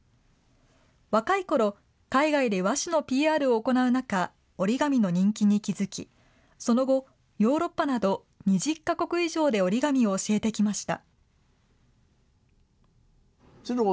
若いころ、海外で和紙のＰＲを行う中、折り紙の人気に気付き、その後、ヨーロッパなど２０か国以上で折り紙を教えてきました。